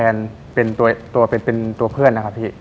เดี๋ยวผมจะเล่าแทนเป็นตัวเพื่อนนะครับพี่